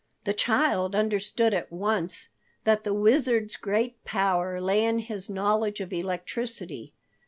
The child understood at once that the Wizard's great power lay in his knowledge of electricity.